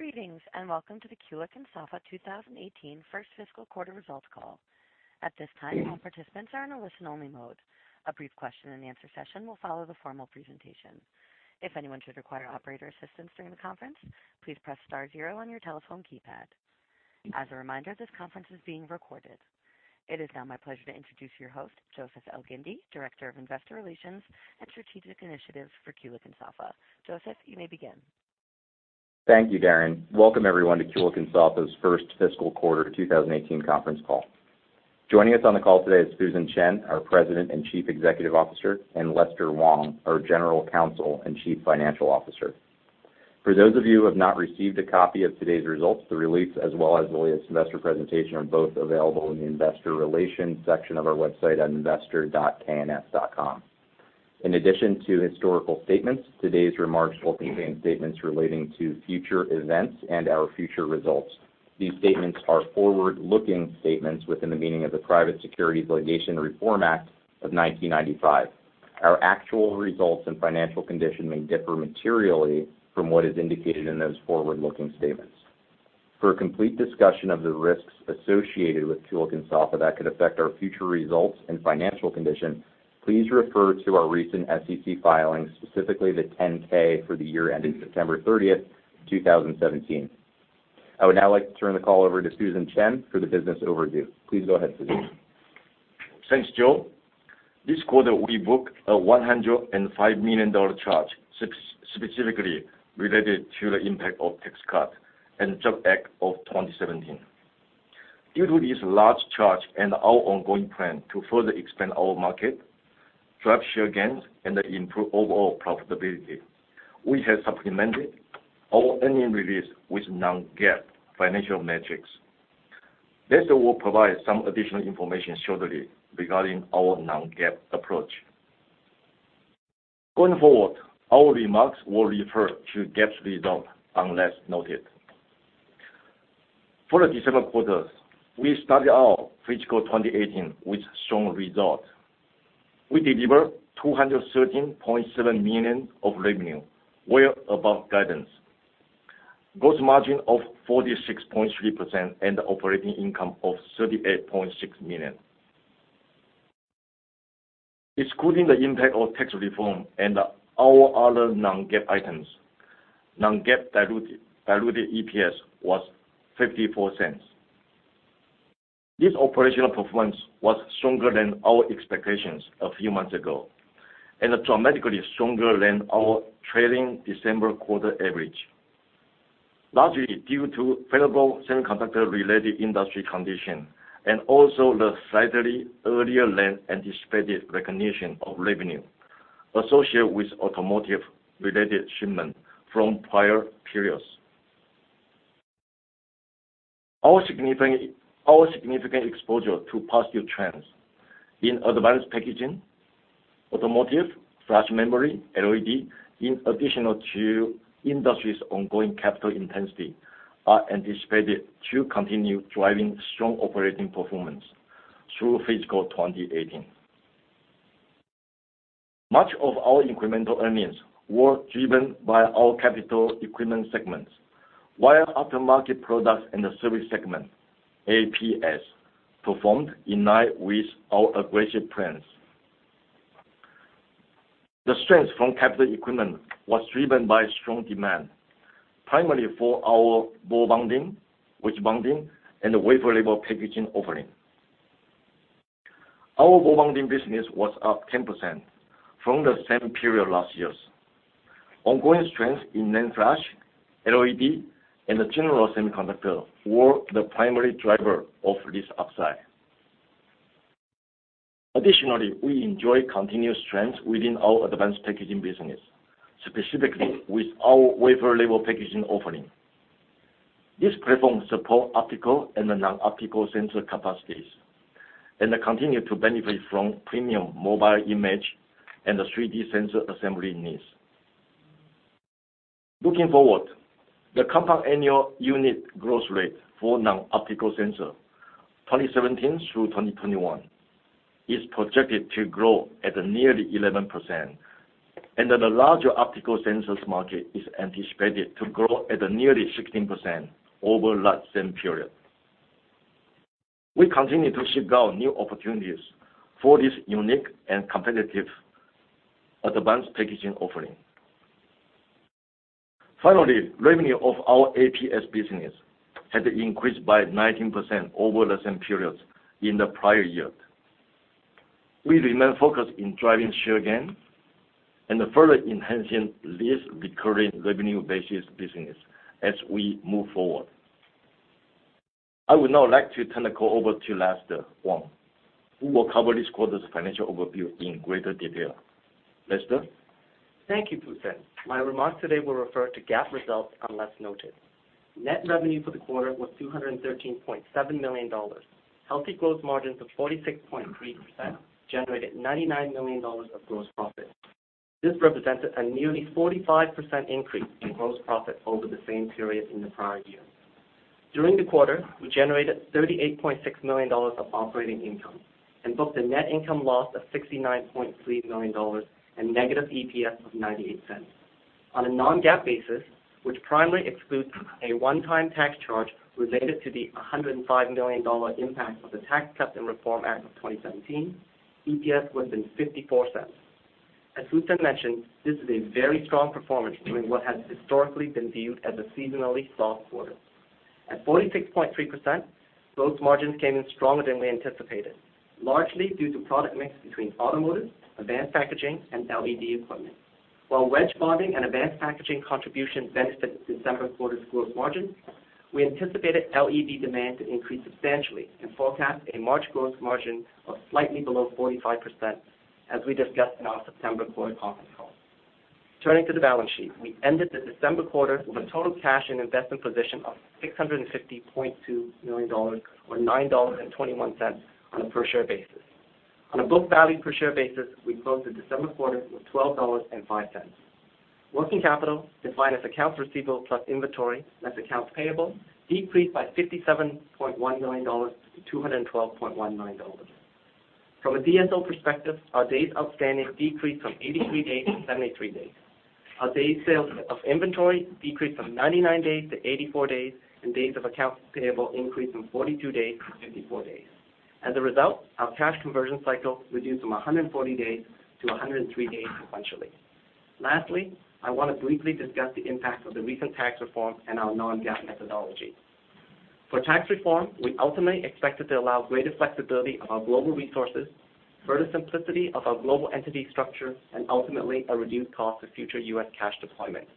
Greetings, welcome to the Kulicke and Soffa 2018 first fiscal quarter results call. At this time, all participants are in a listen-only mode. A brief question and answer session will follow the formal presentation. If anyone should require operator assistance during the conference, please press star zero on your telephone keypad. As a reminder, this conference is being recorded. It is now my pleasure to introduce your host, Joseph Elgindy, Director of Investor Relations and Strategic Initiatives for Kulicke and Soffa. Joseph, you may begin. Thank you, Darren. Welcome everyone to Kulicke and Soffa's first fiscal quarter 2018 conference call. Joining us on the call today is Fusen Chen, our President and Chief Executive Officer, and Lester Wong, our General Counsel and Chief Financial Officer. For those of you who have not received a copy of today's results, the release as well as the latest investor presentation are both available in the investor relations section of our website at investor.kns.com. In addition to historical statements, today's remarks will contain statements relating to future events and our future results. These statements are forward-looking statements within the meaning of the Private Securities Litigation Reform Act of 1995. Our actual results and financial condition may differ materially from what is indicated in those forward-looking statements. For a complete discussion of the risks associated with Kulicke and Soffa that could affect our future results and financial condition, please refer to our recent SEC filings, specifically the 10-K for the year ending September 30th, 2017. I would now like to turn the call over to Fusen Chen for the business overview. Please go ahead, Fusen. Thanks, Joe. This quarter, we booked a $105 million charge specifically related to the impact of Tax Cuts and Jobs Act of 2017. Due to this large charge and our ongoing plan to further expand our market, drive share gains, and improve overall profitability, we have supplemented our earnings release with non-GAAP financial metrics. Lester will provide some additional information shortly regarding our non-GAAP approach. Going forward, our remarks will refer to GAAP result unless noted. For the December quarter, we started our fiscal 2018 with strong results. We delivered $213.7 million of revenue, well above guidance. Gross margin of 46.3% and operating income of $38.6 million. Excluding the impact of tax reform and our other non-GAAP items, non-GAAP diluted EPS was $0.54. This operational performance was stronger than our expectations a few months ago, dramatically stronger than our trailing December quarter average. Largely due to favorable semiconductor related industry condition and also the slightly earlier than anticipated recognition of revenue associated with automotive related shipment from prior periods. Our significant exposure to positive trends in advanced packaging, automotive, NAND flash, LED, in addition to industry's ongoing capital intensity, are anticipated to continue driving strong operating performance through fiscal 2018. Much of our incremental earnings were driven by our capital equipment segments, while aftermarket products and the service segment, APS, performed in line with our aggressive plans. The strength from capital equipment was driven by strong demand, primarily for our ball bonding, wedge bonding, and the wafer level packaging offering. Our ball bonding business was up 10% from the same period last year. Ongoing strength in NAND flash, LED, and the general semiconductor were the primary driver of this upside. Additionally, we enjoy continued strength within our advanced packaging business, specifically with our wafer level packaging offering. This platform supports optical and the non-optical sensor capacities, and continue to benefit from premium mobile image and the 3D sensor assembly needs. Looking forward, the compound annual unit growth rate for non-optical sensor 2017 through 2021 is projected to grow at nearly 11%, and the larger optical sensors market is anticipated to grow at nearly 16% over that same period. We continue to seek out new opportunities for this unique and competitive advanced packaging offering. Finally, revenue of our APS business has increased by 19% over the same periods in the prior year. We remain focused in driving share gains and further enhancing this recurring revenue basis business as we move forward. I would now like to turn the call over to Lester Wong, who will cover this quarter's financial overview in greater detail. Lester? Thank you, Fusen. My remarks today will refer to GAAP results unless noted. Net revenue for the quarter was $213.7 million. Healthy gross margins of 46.3% generated $99 million of gross profit. This represented a nearly 45% increase in gross profit over the same period in the prior year. During the quarter, we generated $38.6 million of operating income and booked a net income loss of $69.3 million and negative EPS of $0.98. On a non-GAAP basis, which primarily excludes a one-time tax charge related to the $105 million impact of the Tax Cuts and Jobs Act of 2017, EPS was then $0.54. As Fusen mentioned, this is a very strong performance during what has historically been viewed as a seasonally soft quarter. At 46.3%, gross margins came in stronger than we anticipated, largely due to product mix between automotive, advanced packaging, and LED equipment. While wedge bonding and advanced packaging contribution benefit December quarter gross margin, we anticipated LED demand to increase substantially and forecast a March gross margin of slightly below 45% as we discussed in our September quarter conference call. Turning to the balance sheet, we ended the December quarter with a total cash and investment position of $650.2 million or $9.21 on a per share basis. On a book value per share basis, we closed the December quarter with $12.05. Working capital, defined as accounts receivable plus inventory, less accounts payable, decreased by $57.1 million to $212.19. From a DSO perspective, our days outstanding decreased from 83 days to 73 days. Our days sales of inventory decreased from 99 days to 84 days, and days of accounts payable increased from 42 days to 54 days. As a result, our cash conversion cycle reduced from 140 days to 103 days sequentially. Lastly, I want to briefly discuss the impact of the recent tax reform and our non-GAAP methodology. For tax reform, we ultimately expect it to allow greater flexibility of our global resources, further simplicity of our global entity structure, and ultimately, a reduced cost of future U.S. cash deployment.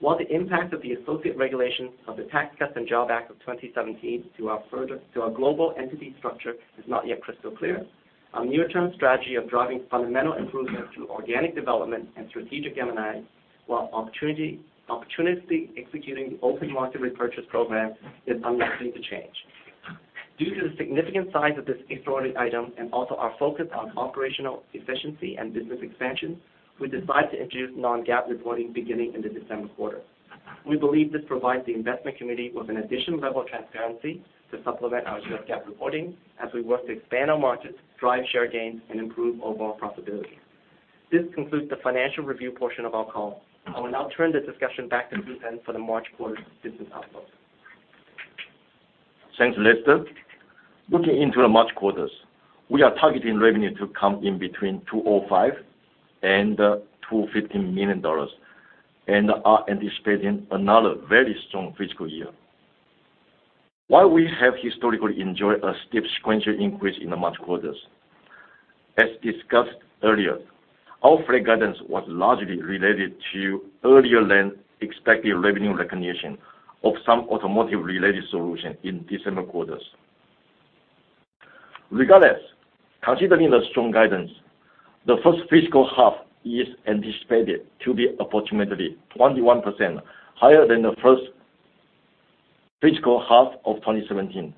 While the impact of the associate regulation of the Tax Cuts and Jobs Act of 2017 to our global entity structure is not yet crystal clear, our near-term strategy of driving fundamental improvement through organic development and strategic M&A, while opportunistically executing the open market repurchase program is unlikely to change. Due to the significant size of this extraordinary item and also our focus on operational efficiency and business expansion, we decided to introduce non-GAAP reporting beginning in the December quarter. We believe this provides the investment community with an additional level of transparency to supplement our GAAP reporting as we work to expand our markets, drive share gains, and improve overall profitability. This concludes the financial review portion of our call. I will now turn the discussion back to Fusen Chen for the March quarter business outlook. Thanks, Lester. Looking into the March quarter, we are targeting revenue to come in between $205 and $215 million, and are anticipating another very strong fiscal year. While we have historically enjoyed a steep sequential increase in the March quarter, as discussed earlier, our full guidance was largely related to earlier than expected revenue recognition of some automotive-related solution in December quarter. Regardless, considering the strong guidance, the first fiscal half is anticipated to be approximately 21% higher than the first fiscal half of 2017,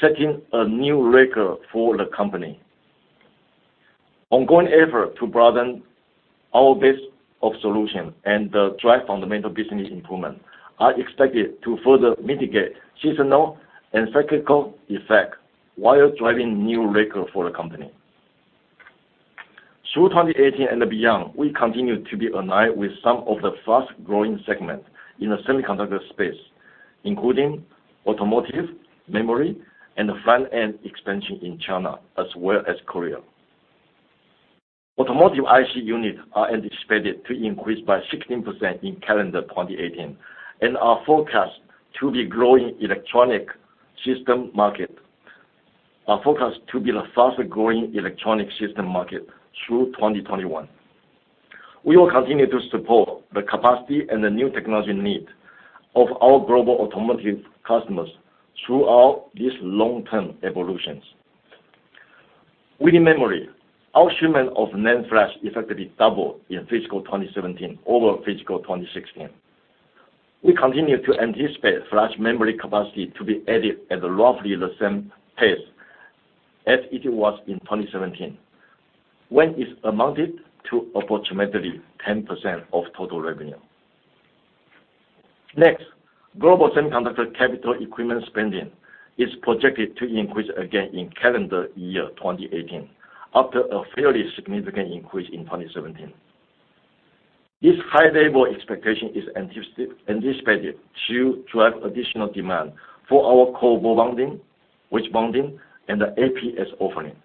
setting a new record for the company. Ongoing effort to broaden our base of solution and drive fundamental business improvement are expected to further mitigate seasonal and cyclical effect while driving new record for the company. Through 2018 and beyond, we continue to be aligned with some of the fast-growing segment in the semiconductor space, including automotive, memory, and the front-end expansion in China as well as Korea. Automotive IC units are anticipated to increase by 16% in calendar 2018 and are forecast to be the fastest-growing electronic system market through 2021. We will continue to support the capacity and the new technology need of our global automotive customers throughout these long-term evolutions. Within memory, our shipment of NAND flash effectively doubled in fiscal 2017 over fiscal 2016. We continue to anticipate flash memory capacity to be added at roughly the same pace as it was in 2017, when it amounted to approximately 10% of total revenue. Global semiconductor capital equipment spending is projected to increase again in calendar year 2018 after a fairly significant increase in 2017. This high-level expectation is anticipated to drive additional demand for our ball bonding, wedge bonding, and the APS offering.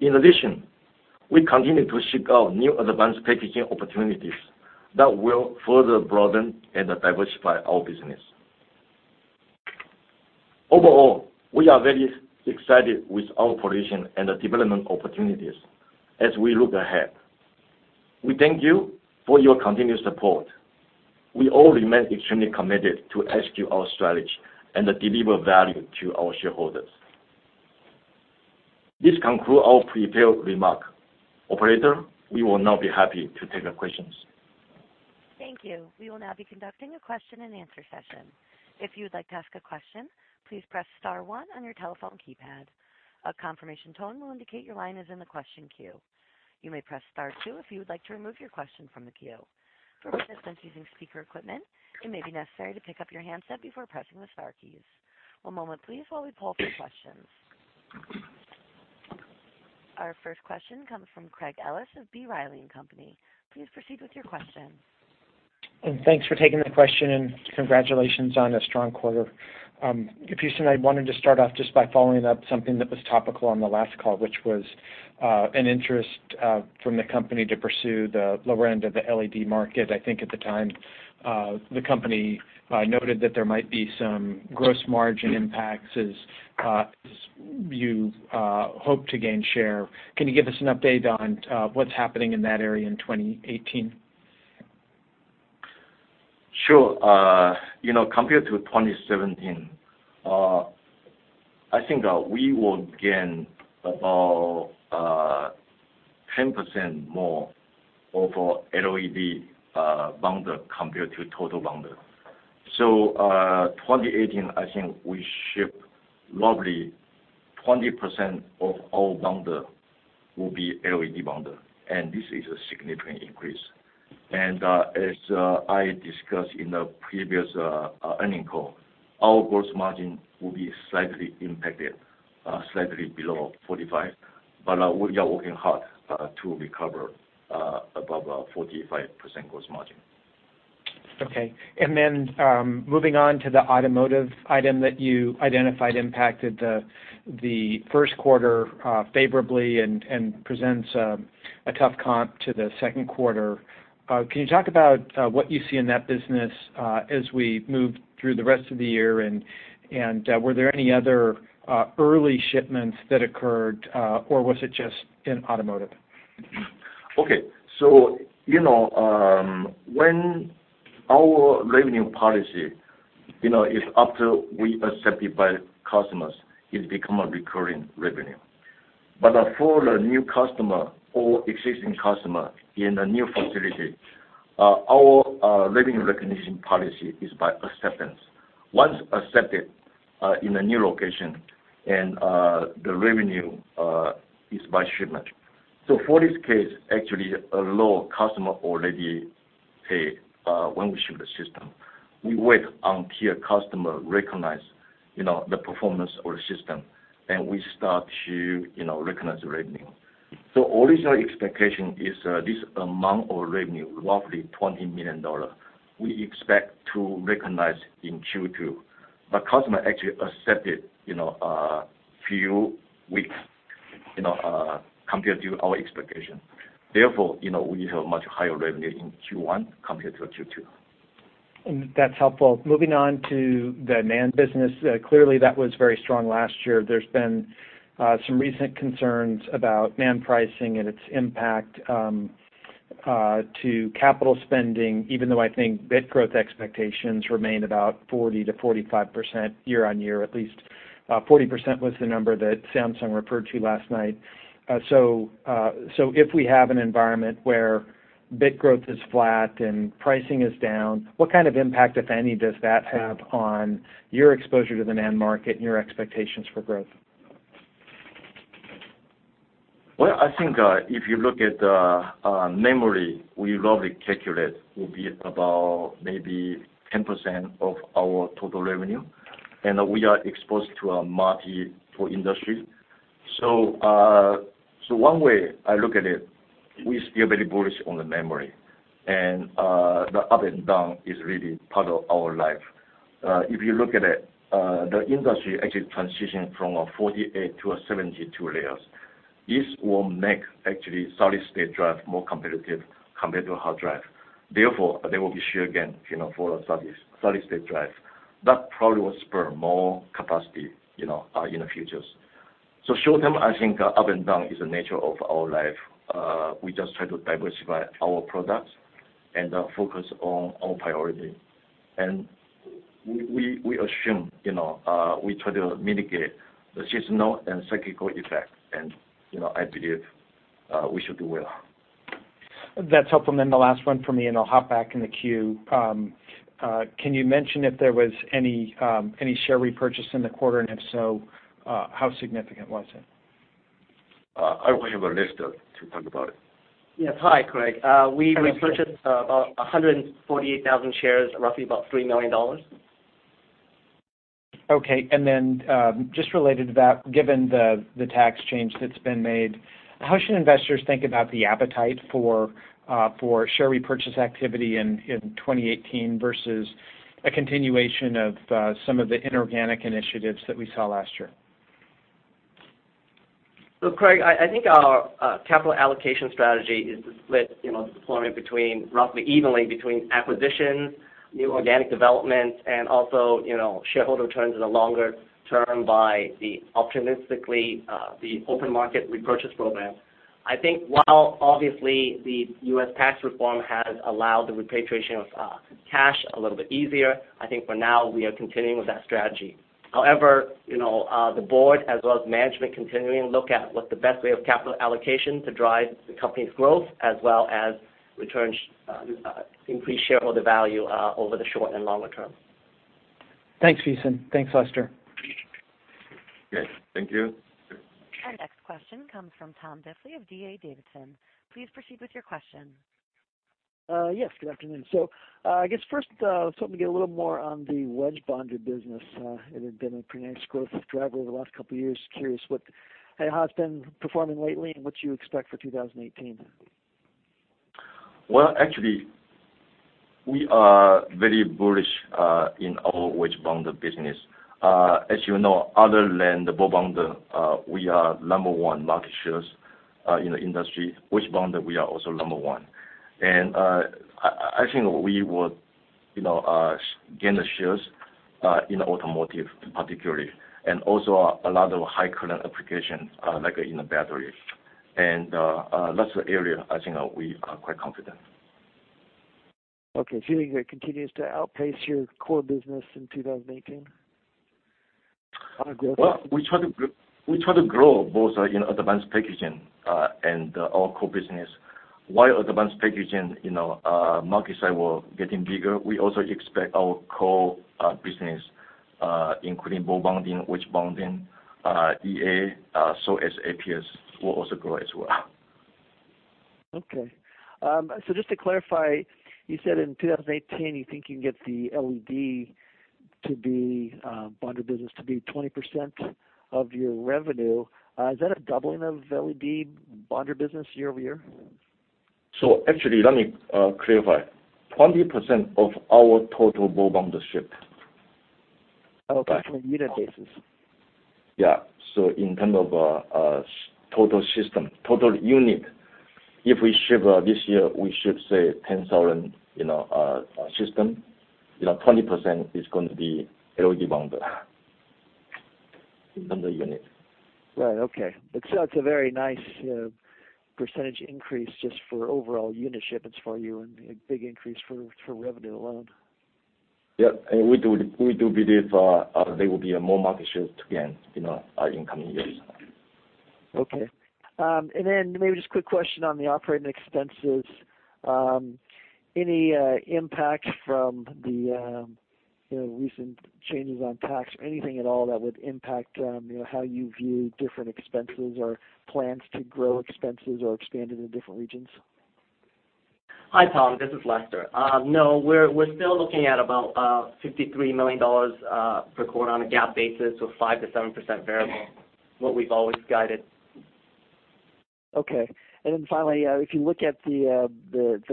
We continue to seek out new advanced packaging opportunities that will further broaden and diversify our business. We are very excited with our position and the development opportunities as we look ahead. We thank you for your continued support. We all remain extremely committed to execute our strategy and deliver value to our shareholders. This concludes our prepared remark. Operator, we will now be happy to take questions. Thank you. We will now be conducting a question and answer session. If you would like to ask a question, please press star one on your telephone keypad. A confirmation tone will indicate your line is in the question queue. You may press star two if you would like to remove your question from the queue. For participants using speaker equipment, it may be necessary to pick up your handset before pressing the star keys. One moment, please, while we pull for questions. Our first question comes from Craig Ellis of B. Riley and Company. Please proceed with your question. Thanks for taking the question, and congratulations on a strong quarter. I wanted to start off just by following up something that was topical on the last call, which was an interest from the company to pursue the lower end of the LED market. I think at the time, the company noted that there might be some gross margin impacts as you hope to gain share. Can you give us an update on what's happening in that area in 2018? Sure. Compared to 2017, I think that we will gain about 10% more of our LED bonder compared to total bonder. 2018, I think we ship roughly 20% of all bonder will be LED bonder, and this is a significant increase. As I discussed in the previous earnings call, our gross margin will be slightly impacted, slightly below 45%, but we are working hard to recover above our 45% gross margin. Okay. Moving on to the automotive item that you identified impacted the first quarter favorably and presents a tough comp to the second quarter. Can you talk about what you see in that business as we move through the rest of the year, and were there any other early shipments that occurred, or was it just in automotive? Okay. When our revenue policy, if after we accepted by customers, it become a recurring revenue. For a new customer or existing customer in a new facility, our revenue recognition policy is by acceptance. Once accepted in a new location and the revenue is by shipment. For this case, actually, a customer already paid, when we ship the system. We wait until customer recognize the performance of the system, and we start to recognize the revenue. Original expectation is this amount of revenue, roughly $20 million. We expect to recognize in Q2. The customer actually accepted a few weeks, compared to our expectation. Therefore, we have much higher revenue in Q1 compared to Q2. That's helpful. Moving on to the NAND business. Clearly, that was very strong last year. There's been some recent concerns about NAND pricing and its impact to capital spending, even though I think bit growth expectations remain about 40%-45% year-on-year, at least. 40% was the number that Samsung referred to last night. If we have an environment where bit growth is flat and pricing is down, what kind of impact, if any, does that have on your exposure to the NAND market and your expectations for growth? Well, I think, if you look at memory, we roughly calculate will be about maybe 10% of our total revenue, we are exposed to a multiple industry. One way I look at it, we still very bullish on the memory. The up and down is really part of our life. If you look at it, the industry actually transition from a 48 to a 72 layers. This will make actually solid-state drive more competitive compared to hard drive. Therefore, there will be demand again, for solid-state drive. That probably will spur more capacity in the futures. Short term, I think up and down is the nature of our life. We just try to diversify our products and focus on priority. We assume, we try to mitigate the seasonal and cyclical effect, and I believe, we should do well. That's helpful. The last one for me, and I'll hop back in the queue. Can you mention if there was any share repurchase in the quarter, and if so, how significant was it? I will have Lester to talk about it. Yes. Hi, Craig. We repurchased about 148,000 shares, roughly about $3 million. Okay. Just related to that, given the tax change that's been made, how should investors think about the appetite for share repurchase activity in 2018 versus a continuation of some of the inorganic initiatives that we saw last year? Look, Craig, I think our capital allocation strategy is split, deployment between roughly evenly between acquisitions, new organic developments, and also, shareholder returns in the longer term by the optimistically, the open market repurchase program. I think while obviously the U.S. tax reform has allowed the repatriation of cash a little bit easier, I think for now, we are continuing with that strategy. However, the board as well as management continuing look at what the best way of capital allocation to drive the company's growth as well as return increase shareholder value over the short and longer term. Thanks, Fusen. Thanks, Lester. Okay. Thank you. Our next question comes from Tom Diffely of D.A. Davidson. Please proceed with your question. Yes, good afternoon. I guess first, I just want to get a little more on the wedge bonder business. It had been a pretty nice growth driver over the last couple of years. Curious how it's been performing lately, and what you expect for 2018. Well, actually, we are very bullish in our wedge bonder business. As you know, other than the ball bonder, we are number one market shares in the industry. Wedge bonder, we are also number one. I think we would gain the shares in automotive, particularly, and also a lot of high current applications, like in batteries. That's the area I think we are quite confident. Okay. Do you think it continues to outpace your core business in 2018? On a growth- We try to grow both in advanced packaging and our core business. While advanced packaging market side were getting bigger, we also expect our core business, including ball bonding, wedge bonding, EA, so as APS, will also grow as well. Okay. Just to clarify, you said in 2018, you think you can get the LED bonder business to be 20% of your revenue. Is that a doubling of LED bonder business year-over-year? Actually, let me clarify. 20% of our total ball bonders shipped. Oh, okay. Unit basis. Yeah. In term of total system, total unit. If we ship this year, we ship, say, 10,000 system, 20% is going to be LED bonder. In number of unit. Right. Okay. It's a very nice percentage increase just for overall unit shipments for you, and a big increase for revenue alone. Yep. We do believe there will be a more market share to gain in coming years. Okay. Maybe just a quick question on the operating expenses. Any impact from the recent changes on tax or anything at all that would impact how you view different expenses or plans to grow expenses or expand into different regions? Hi, Tom, this is Lester. No, we're still looking at about $53 million per quarter on a GAAP basis, so 5%-7% variable, what we've always guided. Okay. Finally, if you look at the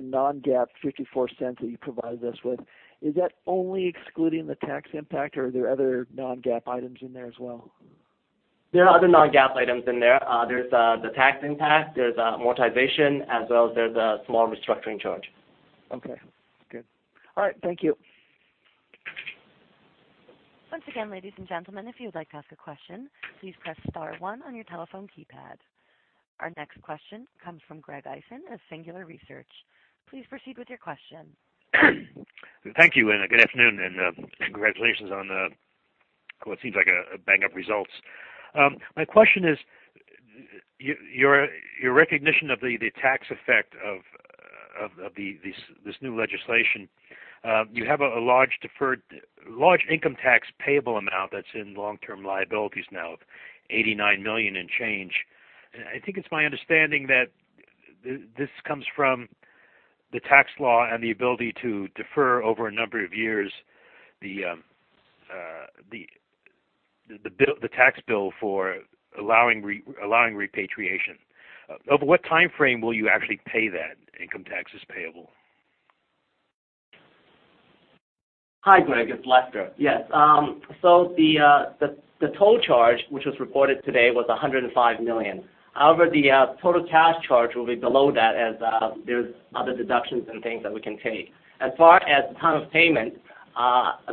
non-GAAP $0.54 that you provided us with, is that only excluding the tax impact, or are there other non-GAAP items in there as well? There are other non-GAAP items in there. There's the tax impact, there's amortization, as well as there's a small restructuring charge. Okay, good. All right, thank you. Once again, ladies and gentlemen, if you would like to ask a question, please press star one on your telephone keypad. Our next question comes from Greg Eisen of Singular Research. Please proceed with your question. Thank you. Good afternoon. Congratulations on what seems like a bang-up results. My question is, your recognition of the tax effect of this new legislation. You have a large income tax payable amount that is in long-term liabilities now of $89 million in change. I think it is my understanding that this comes from the tax law and the ability to defer over a number of years the tax bill for allowing repatriation. Over what timeframe will you actually pay that income taxes payable? Hi, Greg. It is Lester. Yes. The total charge, which was reported today, was $105 million. However, the total cash charge will be below that as there is other deductions and things that we can take. As far as the time of payment,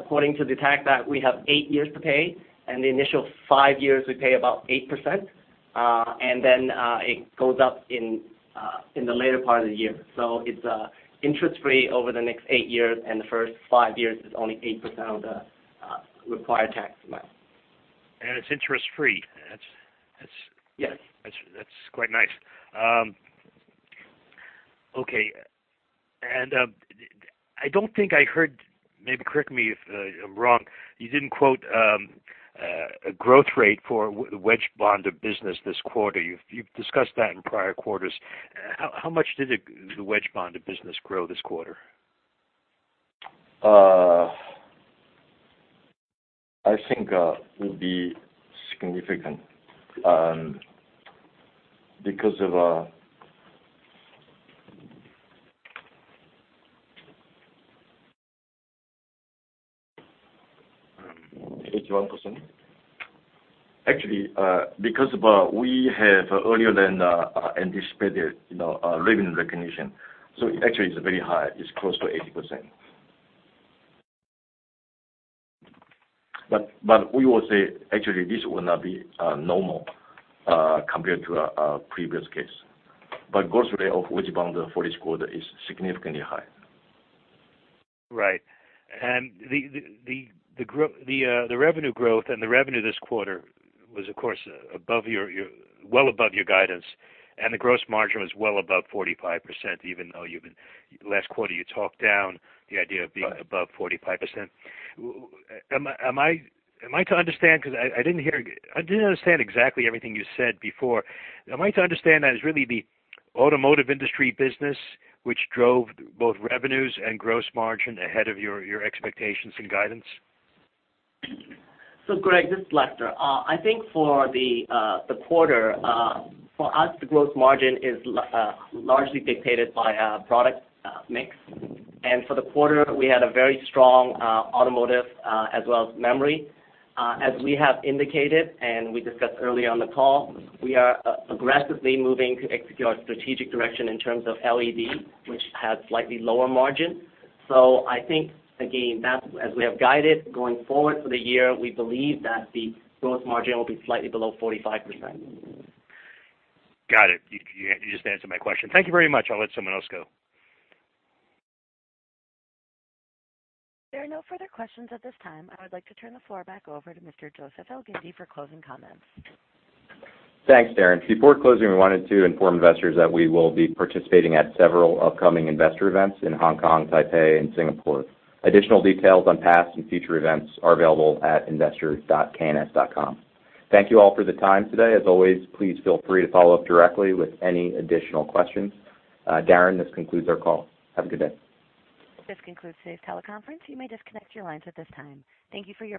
according to the tax act, we have 8 years to pay, and the initial 5 years, we pay about 8%, and then it goes up in the later part of the year. It is interest-free over the next 8 years, and the first 5 years is only 8% of the required tax amount. It is interest-free. Yes. That's quite nice. Okay. I don't think I heard, maybe correct me if I'm wrong, you didn't quote a growth rate for wedge bonder business this quarter. You've discussed that in prior quarters. How much did the wedge bonder business grow this quarter? I think it would be significant. Because of our 81%. Actually, because of we have earlier than anticipated revenue recognition. Actually, it's very high. It's close to 80%. We will say, actually, this will not be normal compared to our previous case. Growth rate of wedge bonder for this quarter is significantly high. Right. The revenue growth and the revenue this quarter was, of course, well above your guidance, and the gross margin was well above 45%, even though last quarter you talked down the idea of being above 45%. Am I to understand, because I didn't understand exactly everything you said before. Am I to understand that it's really the automotive industry business which drove both revenues and gross margin ahead of your expectations and guidance? Greg, this is Lester. I think for the quarter, for us, the gross margin is largely dictated by product mix. For the quarter, we had a very strong automotive as well as memory. As we have indicated and we discussed earlier on the call, we are aggressively moving to execute our strategic direction in terms of LED, which has slightly lower margin. I think, again, as we have guided going forward for the year, we believe that the gross margin will be slightly below 45%. Got it. You just answered my question. Thank you very much. I'll let someone else go. There are no further questions at this time. I would like to turn the floor back over to Mr. Joseph Elgindy for closing comments. Thanks, Darren. Before closing, we wanted to inform investors that we will be participating at several upcoming investor events in Hong Kong, Taipei, and Singapore. Additional details on past and future events are available at investor.kns.com. Thank you all for the time today. As always, please feel free to follow up directly with any additional questions. Darren, this concludes our call. Have a good day. This concludes today's teleconference. You may disconnect your lines at this time. Thank you for your participation.